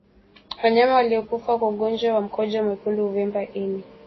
Wanyama waliokufa kwa ugonjwa wa mkojo mwekundu huvimba ini